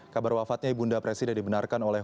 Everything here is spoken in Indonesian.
kabar wafatnya ibunda presiden dibenarkan oleh